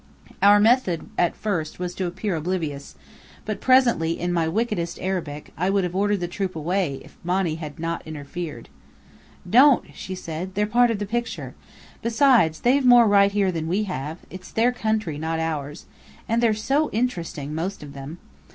Our method at first was to appear oblivious, but presently in my wickedest Arabic, I would have ordered the troop away if Monny had not interfered. "Don't!" she said, "they're part of the picture. Besides, they've more right here than we have. It's their country, not ours. And they're so interesting most of them.